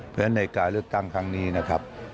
เพราะฉะนั้นในการเลือกตั้งครั้งนี้นะครับ